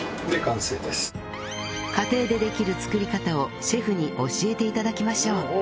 家庭でできる作り方をシェフに教えて頂きましょう